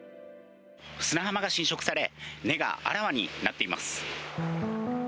砂浜が浸食され、根があらわになっています。